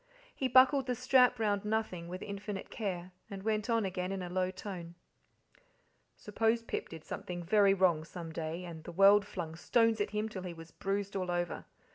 He buckled the strap round nothing with infinite care, and went on again in a low tone: "Suppose Pip did something very wrong some day, and the world flung stones at him till he was bruised all over.